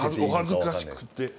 お恥ずかしくて。